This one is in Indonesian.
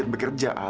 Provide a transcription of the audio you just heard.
ya aku juga